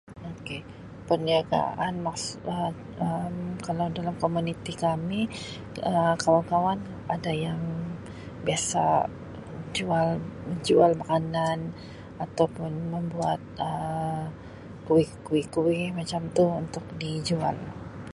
Ok perniagaan maksudnya Um kalau dalam komuniti kami Um kawan-kawan ada yang biasa jual jual makanan atau pun membuat Um kuih-kuih macam tu untuk dijual.